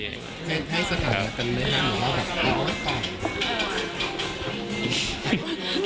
ให้สะกัดกันเลยนะ